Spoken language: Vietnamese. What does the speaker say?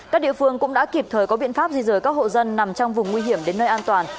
các địa phương cũng đã kịp thời có biện pháp di rời các hộ dân nằm trong vùng nguy hiểm đến nơi an toàn